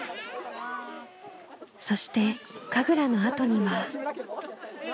そして神楽のあとには。